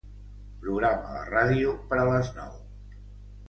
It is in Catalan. Programa la ràdio per a les nou.